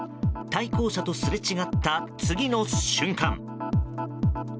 対向車とすれ違った次の瞬間。